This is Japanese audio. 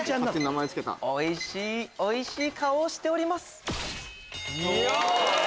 おいしいおいしい顔をしております。